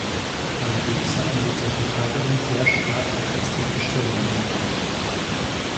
Allerdings hatten sie zur Verteidigung sehr stark befestigte Stellungen erbaut.